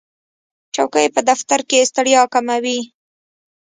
چوکۍ په دفتر کې ستړیا کموي.